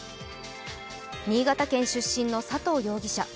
新潟県出身の佐藤容疑者。